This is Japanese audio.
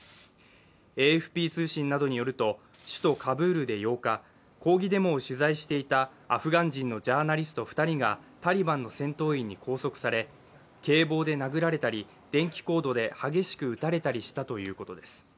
ＡＦＰ通信などによると、首都カブールで８日、抗議デモを取材していたアフガン人のジャーナリスト２人がタリバンの戦闘員に拘束され、警棒で殴られたり電気コードで激しく打たれたりしたということです。